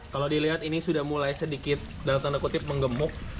kalau dilihat ini sudah mulai sedikit dalam tanda kutip menggemuk